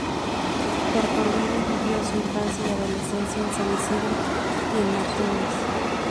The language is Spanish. Pergolini vivió su infancia y adolescencia en San Isidro y en Martínez.